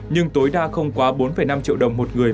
nhưng tối đa không quá bốn năm triệu đồng một người